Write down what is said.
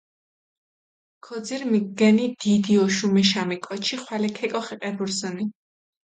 ქოძირჷ მიგდენი დიდი ოშუმეშამი კოჩი ხვალე ქეკოხე ყებურსჷნი.